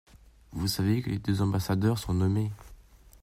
Vous savez que les deux ambassadeurs sont nommés.